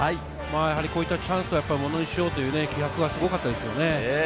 こういったチャンスはものにしようという気迫がすごかったですね。